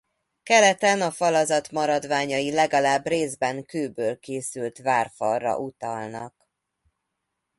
Keleten a falazat maradványai legalább részben kőből készült várfalra utalnak.